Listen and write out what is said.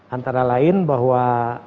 antara lain bahwa